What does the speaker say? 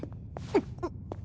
うっ。